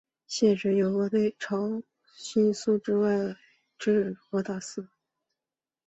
现时由俄超球队辛尼特外借至卡斯洛达。